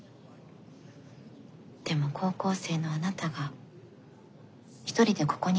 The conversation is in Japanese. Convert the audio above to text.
でも高校生のあなたが１人でここに入ったのを見て。